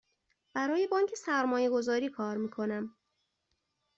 برای بانک سرمایه گذاری کار می کنم.